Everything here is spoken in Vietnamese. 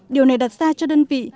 điều này đặt ra cho đơn vị